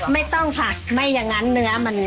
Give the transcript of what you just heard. ไม่ต้องค่ะไม่อย่างนั้นเนื้อมัน